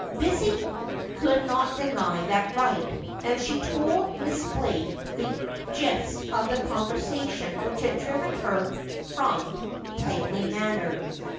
Lizzie could not deny that right, and she told Miss Blake the gist of th e conversation which had driven her from Tangley Manor.